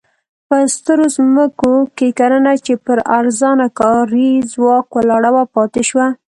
په سترو ځمکو کې کرنه چې پر ارزانه کاري ځواک ولاړه وه پاتې شوه.